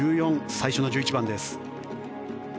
最初の１１番です。